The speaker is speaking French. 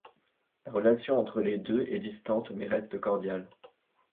La relation entre les deux est distante mais reste cordiale.